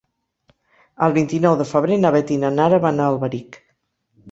El vint-i-nou de febrer na Beth i na Nara van a Alberic.